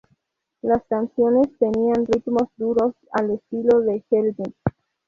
Las canciones tenían ritmos duros, al estilo de Helmet.